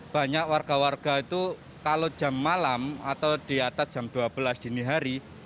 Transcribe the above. banyak warga warga itu kalau jam malam atau di atas jam dua belas dini hari